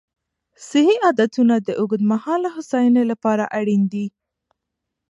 صحي عادتونه د اوږدمهاله هوساینې لپاره اړین دي.